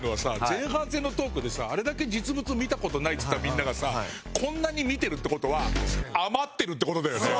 前半戦のトークでさあれだけ実物見た事ないっつったみんながさこんなに見てるって事は余ってるって事だよね。